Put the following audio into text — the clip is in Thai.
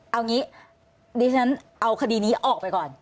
เอางี้ดิฉันเอาคดีนี้ออกไปก่อน